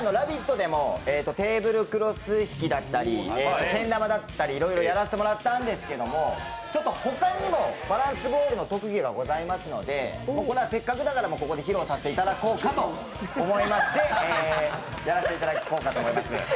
でもテーブルクロス引きだったりけん玉だったりいろいろやらせてもらったんですけど、ほかにもバランスボールの特技がありますので、せっかくだからここで披露させていただこうかと思いましてやらせていただこうかと思います。